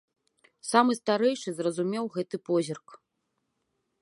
Самы старэйшы зразумеў гэты позірк.